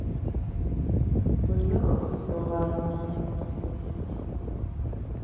Kuinoʼos noo bakus.